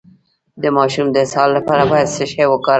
د ماشوم د اسهال لپاره باید څه شی وکاروم؟